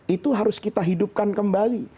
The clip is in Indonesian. itu harus kita hidupkan kembali